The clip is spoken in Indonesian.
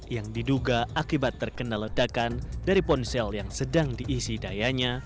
yang diduga akibat terkena ledakan dari ponsel yang sedang diisi dayanya